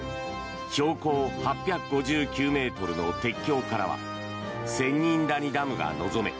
標高８５９ｍの鉄橋からは仙人谷ダムが望め